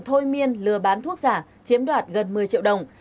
thôi miên lừa bán thuốc giả chiếm đoạt gần một mươi triệu đồng